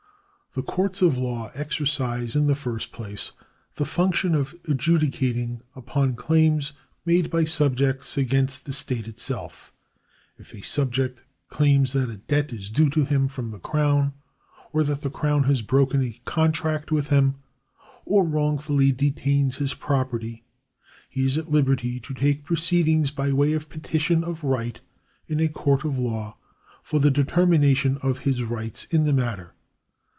— The courts of law exercise, in the first place, the function of adjudicating upon claims made by subjects against the state itself. If a subject claims that a debt is due to him from the Crown, or that the Crown has broken a contract with him, or wrongfully detains his pro perty, he is at liberty to take proceedings by way of petition of right in a court of law for the determination of his rights in the matter.